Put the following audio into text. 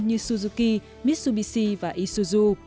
như suzuki mitsubishi và isuzu